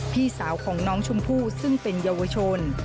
พี่สาวของน้องชมพู่ซึ่งเป็นเยาวชน